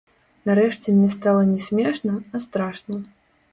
Нарэшце мне стала не смешна, а страшна.